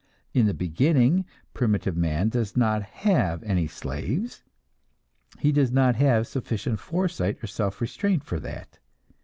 In the beginning primitive man does not have any slaves, he does not have sufficient foresight or self restraint for that.